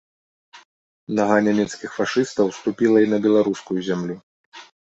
Нага нямецкіх фашыстаў ступіла і на беларускую зямлю.